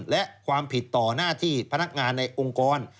และความผิดต่อหน้าที่พนักงานในองค์กร